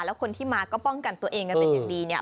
แล้วคนที่มาก็ป้องกันตัวเองกันเป็นอย่างดีเนี่ย